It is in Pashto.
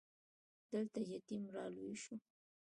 دلته يتيم را لوی شو.